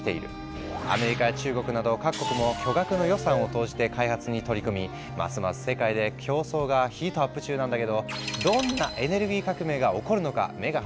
アメリカや中国など各国も巨額の予算を投じて開発に取り組みますます世界で競争がヒートアップ中なんだけどどんなエネルギー革命が起こるのか目が離せないよね。